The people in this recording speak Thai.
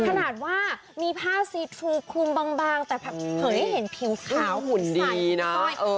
ขนาดว่ามีผ้าซีทูคลุมบางบางแต่แผลเหยื่อเห็นผิวขาวหุ่นดีน่ะเออ